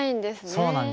そうなんです。